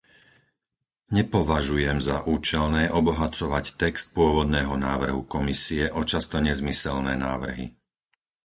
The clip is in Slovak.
Nepovažujem za účelné obohacovať text pôvodného návrhu Komisie o často nezmyselné návrhy.